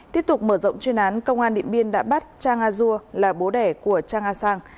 tiếp tục mở rộng chuyên án công an điện biên đã bắt chang a dua là bố đẻ của chang a sang